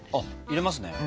入れますね。